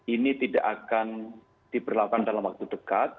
ini tidak akan diberlakukan dalam waktu dekat